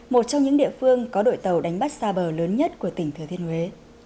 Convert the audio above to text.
một trong những địa phương có đội tàu đánh bắt xa bờ lớn nhất của tỉnh thừa thiên huế